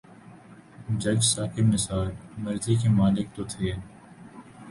جج ثاقب نثار مرضی کے مالک تو تھے۔